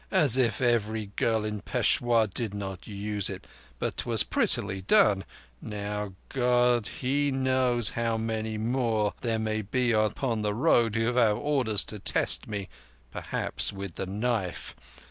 "As if every girl in Peshawur did not use it! But 'twas prettily done. Now God He knows how many more there be upon the Road who have orders to test me—perhaps with the knife.